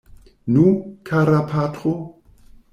Nu, kara patro?